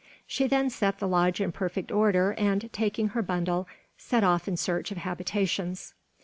She then set the lodge in perfect order and, taking her bundle, set off in search of habitations.